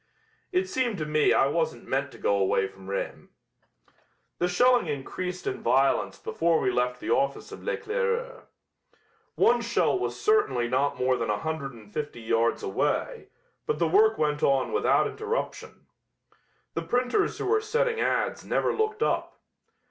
It seemed to me I wasn't meant to go away from Rheims." The shelling increased in violence before we left the office of L'Eclaireur. One shell was certainly not more than a hundred and fifty yards away, but the work went on without interruption. The printers who were setting ads never looked up.